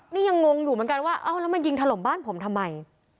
นี่ยังงงอยู่เหมือนกันว่าเอ้าแล้วมายิงถล่มบ้านผมทำไม